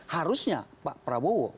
harusnya pak prabowo